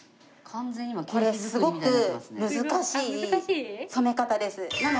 これすごく難しい染め方です。